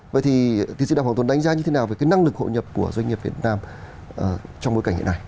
vậy thì tiến sĩ đào hoàng tuấn đánh giá như thế nào về cái năng lực hội nhập của doanh nghiệp việt nam trong bối cảnh hiện nay